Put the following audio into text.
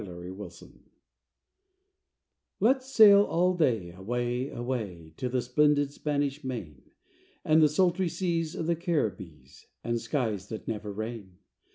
THE RAINY DAY Let's sail all day, away, away To the splendid Spanish Main And the sultry seas of the Caribbees And skies that never rain!